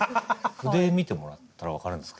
筆見てもらったら分かるんですけど。